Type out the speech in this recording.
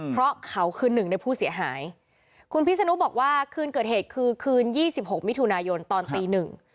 เพราะเขาคือหนึ่งในผู้เสียหายคุณพิศนุบอกว่าคืนเกิดเหตุคือคืนยี่สิบหกมิถุนายนตอนตีหนึ่ง